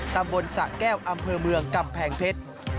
ตำบลสะแก้วอำเภอเมืองกำแพงเพชร